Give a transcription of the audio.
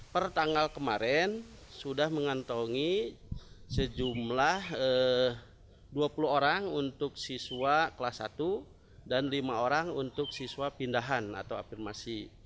pertanggal kemarin sudah mengantongi sejumlah dua puluh orang untuk siswa kelas satu dan lima orang untuk siswa pindahan atau afirmasi